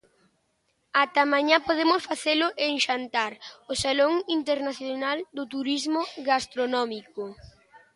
Ata mañá podemos facelo en Xantar, o salón internacional do turismo gastronómico.